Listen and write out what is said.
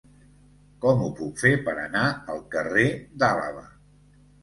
Com ho puc fer per anar al carrer d'Àlaba?